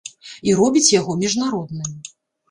І робіць яго міжнародным.